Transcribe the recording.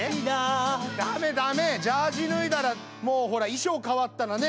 駄目駄目ジャージ脱いだらもうほら衣装変わったらねえ。